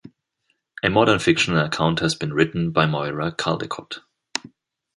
A modern fictional account has been written by Moyra Caldecott.